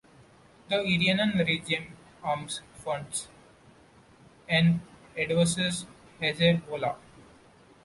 The Iranian regime arms, funds, and advises Hezbollah.